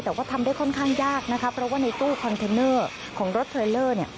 แต่ว่าทำได้ค่อนข้างยากนะคะเพราะว่าในตู้คอนเทนเนอร์ของรถเทรลเลอร์เนี่ย